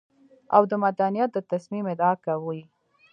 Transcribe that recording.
او د مدنيت د تصميم ادعا کوي.